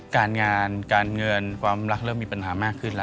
การงานการเงินความรักเริ่มมีปัญหามากขึ้นแล้ว